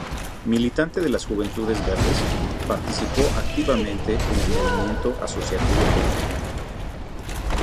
Militante de las juventudes verdes, participó activamente en el movimiento asociativo juvenil.